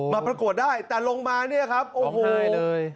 ประกวดได้แต่ลงมาเนี่ยครับโอ้โหเลย